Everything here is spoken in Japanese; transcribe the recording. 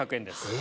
え⁉